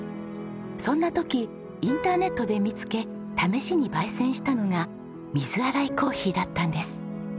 そんな時インターネットで見つけ試しに焙煎したのが水洗いコーヒーだったんです。